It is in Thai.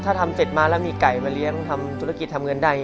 ถ้าทำเสร็จมาแล้วมีไก่มาเลี้ยงทำธุรกิจทำเงินได้